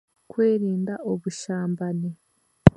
Kwerinda obushambani.